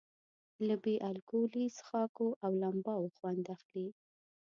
له بې الکولي څښاکونو او لمباوو خوند اخلي.